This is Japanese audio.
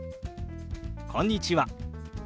「こんにちは」。